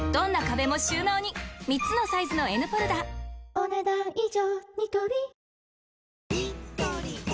お、ねだん以上。